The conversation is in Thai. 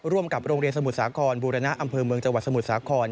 ร่วมกับโรงเรียนสมุทรสาครบูรณะอำเภอเมืองจังหวัดสมุทรสาคร